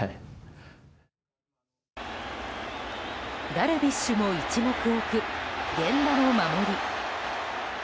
ダルビッシュも一目置く源田の守り。